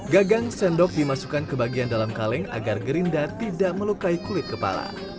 gagang sendok dimasukkan ke bagian dalam kaleng agar gerinda tidak melukai kulit kepala